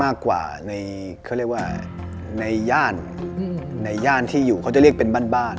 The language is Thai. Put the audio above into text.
มากกว่าในเขาเรียกว่าในย่านในย่านที่อยู่เขาจะเรียกเป็นบ้านบ้าน